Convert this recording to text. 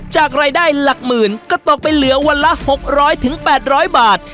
จากรายได้หลักหมื่นก็ตกไปเหลือวันละ๖๐๐๘๐๐บาท